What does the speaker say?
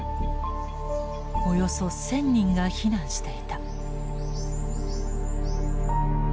およそ１，０００人が避難していた。